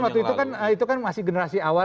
kita berpikir kan waktu itu kan masih generasi awal